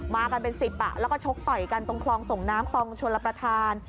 มากันเป็น๑๐แล้วก็ชกต่อยกันตรงคลองส่งน้ำคลองชลประธาน